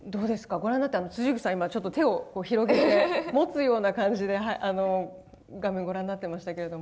ご覧になって口さん今ちょっと手を広げて持つような感じで画面をご覧になってましたけれども。